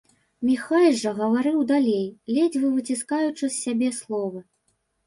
Міхась жа гаварыў далей, ледзьве выціскаючы з сябе словы.